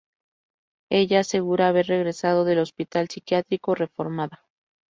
Ella asegura haber regresado del hospital psiquiátrico reformada.